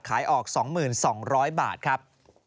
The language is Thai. ขายออก๒๒๐๐บาทครับ